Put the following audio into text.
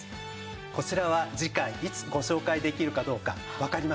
こちらは次回いつご紹介できるかどうかわかりません。